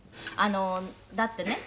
「だってね」